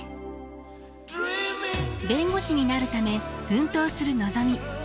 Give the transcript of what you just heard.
弁護士になるため奮闘するのぞみ。